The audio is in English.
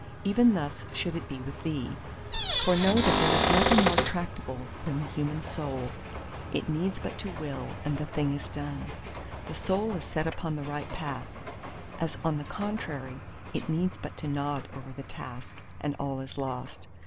Even thus should it be with thee. For know that there is nothing more tractable than the human soul. It needs but to will, and the thing is done; the soul is set upon the right path: as on the contrary it needs but to nod over the task, and all is lost.